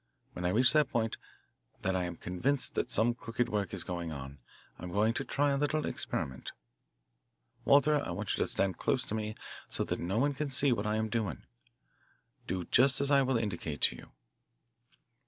When I reach the point that I am convinced that some crooked work is going on I am going to try a little experiment, Walter. I want you to stand close to me so that no one can see what I am doing. Do just as I will indicate to you."